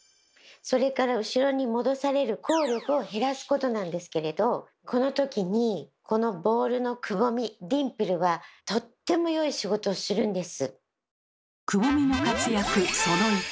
それから後ろに戻される抗力を減らすことなんですけれどこのときにこのボールのくぼみディンプルはとってもよい仕事をするんです。